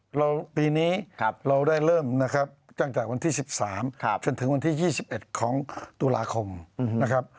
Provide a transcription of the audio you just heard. เราปีนี้เราได้เริ่มนะครับตั้งแต่วันที่๑๓จนถึงวันที่๒๑ของตุลาคมนะครับ